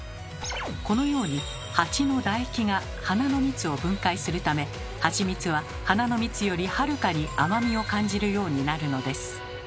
このようにハチのだ液が花の蜜を分解するためハチミツは花の蜜よりはるかに甘みを感じるようになるのです。